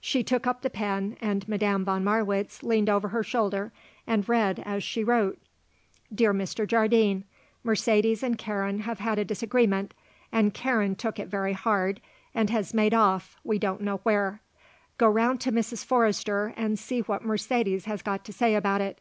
She took up the pen and Madame von Marwitz leaned over her shoulder and read as she wrote: "Dear Mr. Jardine, Mercedes and Karen have had a disagreement and Karen took it very hard and has made off, we don't know where. Go round to Mrs. Forrester and see what Mercedes has got to say about it.